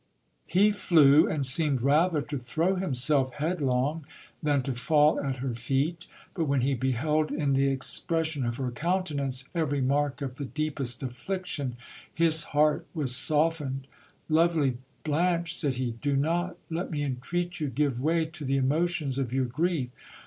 He flew, and seemed rather to throw himself headlong than to fall at her feet. But when he beheld in the expression of her countenance every mark of the deepest affliction, his heart was softened. Lovely Blanche, said he, do not, let me entreat you, give way to the emotions of your grief.